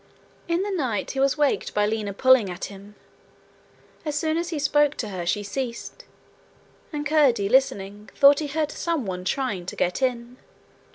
In the night he was waked by Lina pulling at him. As soon as he spoke to her she ceased, and Curdie, listening, thought he heard someone trying to get in.